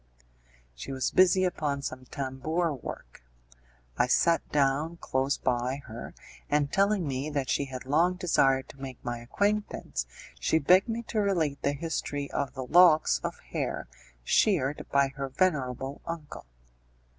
She was busy upon some tambour work; I sat down close by her, and telling me that she had long desired to make my acquaintance, she begged me to relate the history of the locks of hair sheared by her venerable uncle.